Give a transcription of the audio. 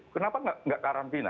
kenapa enggak karantina